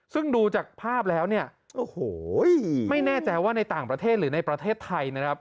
ซึ่งดูจากภาพแล้วเนี่ยโอ้โหไม่แน่ใจว่าในต่างประเทศหรือในประเทศไทยนะครับ